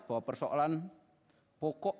bahwa persoalan pokok